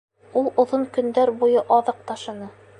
Ул оҙон көндәр буйы аҙыҡ ташыны.